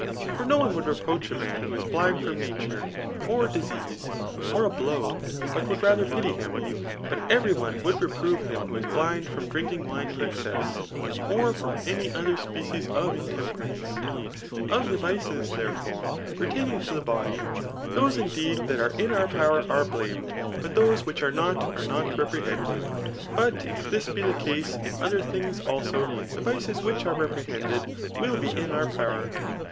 For naone would reproach a «an who is blind* from aatun^ OT disease, or a blow, but would ta^r • pity him ; hM etery cme woald Fq>rove him .who is bliad from drmUng Mie to excess, or from any other, species of HMen^e^ rance^ Of the vices, therefore, pertaining to the \»dfi Aoeekideed that are in our power are blamed, but those which are not, are not repr^^en^* But if this be the ettse^ in other things, also» the vkes which are repr^ kended, will be in our power.